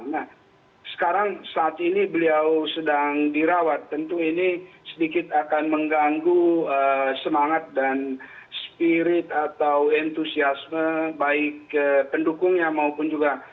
nah sekarang saat ini beliau sedang dirawat tentu ini sedikit akan mengganggu semangat dan spirit atau entusiasme baik pendukungnya maupun juga